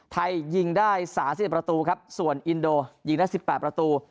ไทยยิงได้๓๐ประตูส่วนอินโดยิงได้๑๘ประตู